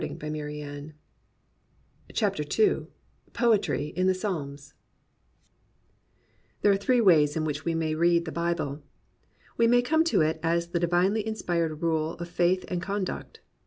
31 POETRY IN THE PSALMS POETRY IN THE PSALMS There are three ways in which we may read the Bible. We may come to it as the divinely inspired rule of faith and conduct.